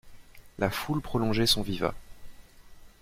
La foule prolongeait son vivat.